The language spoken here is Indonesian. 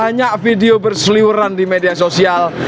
banyak video berseliuran di media sosial